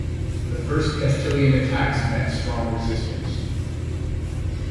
The first Castilian attacks met strong resistance.